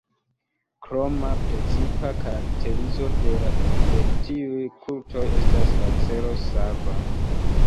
Kroma precipa karakterizo de tiuj kultoj estas la celo sava.